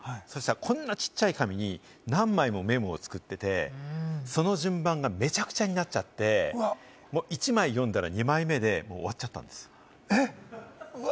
こんなちっちゃい紙に何枚もメモを作っていて、その順番がめちゃくちゃになっちゃって、１枚読んだら２枚目で終わっちゃったんです。